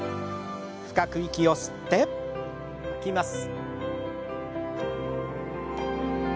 深く息を吸って吐きます。